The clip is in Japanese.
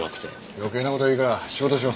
余計な事はいいから仕事しろ。